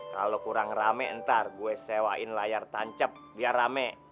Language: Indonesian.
kalau kurang rame ntar gue sewain layar tancap biar rame